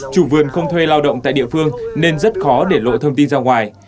chủ vườn không thuê lao động tại địa phương nên rất khó để lộ thông tin ra ngoài